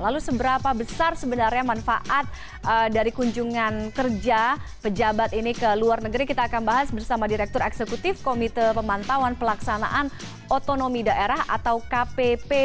lalu seberapa besar sebenarnya manfaat dari kunjungan kerja pejabat ini ke luar negeri kita akan bahas bersama direktur eksekutif komite pemantauan pelaksanaan otonomi daerah atau kpp